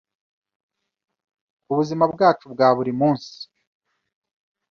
ku buzima bwacu bwa buri munsi